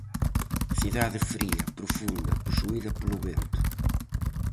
Cidade fría, profunda, posuída polo vento.